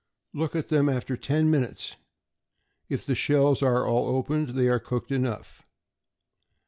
Look at them after ten minutes. If the shells are all opened, they are cooked enough.